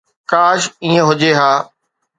ڪاش ائين هجي ها